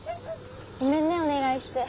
ごめんねお願いして。